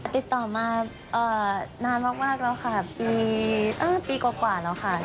ติดต่อมานานมากแล้วค่ะปีกว่าแล้วค่ะ